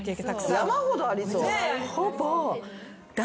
山ほどありそう。